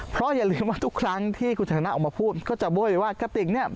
เพราะอย่าลืมว่าทุกครั้งที่คุณชนะออกมาพูดก็จะโบ้ยว่ากะติกเนี่ย